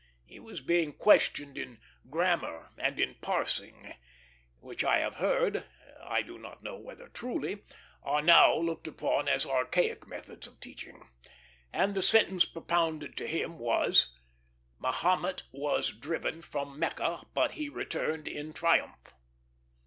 He was being questioned in grammar and in parsing, which I have heard I do not know whether truly are now looked upon as archaic methods of teaching; and the sentence propounded to him was, "Mahomet was driven from Mecca, but he returned in triumph."